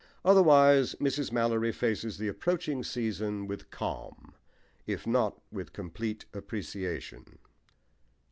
Otherwise Mrs. Mallory faces the approaching season with calm, if not with complete appreciation.